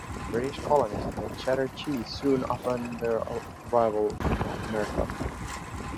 British colonists made cheddar cheese soon upon their arrival in North America.